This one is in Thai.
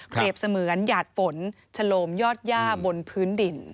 เคลียบเสมือนหยาดฝนชโลมยอดย่าบนพื้นดิน